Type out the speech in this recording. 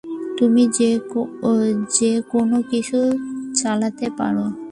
তুমি যেকোনো কিছু চালাতে পারো।